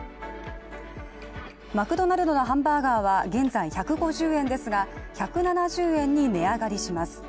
マクドナルドのハンバーガーは現在１５０円ですが、１７０円に値上がりします。